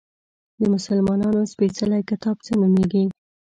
د مسلمانانو سپیڅلی کتاب څه نومیږي؟